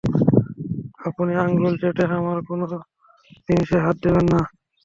আপনি আঙুল চেটে আমার কোনো জিনিসে হাত দেবেন না।